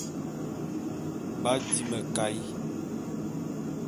B'adi mekaé.